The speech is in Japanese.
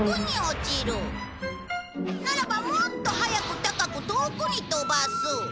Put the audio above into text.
ならばもっと速く高く遠くに飛ばす。